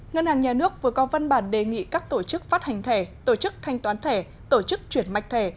ngân hàng nhà nước vừa có văn bản đề nghị các tổ chức phát hành thẻ tổ chức thanh toán thẻ tổ chức chuyển mạch thẻ